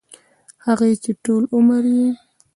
هغـې چـې ټـول عـمر يـې